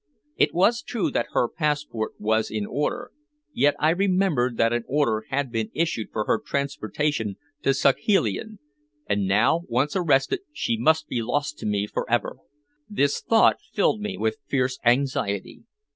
It was true that her passport was in order, yet I remembered that an order had been issued for her transportation to Saghalien, and now once arrested she must be lost to me for ever. This thought filled me with fierce anxiety.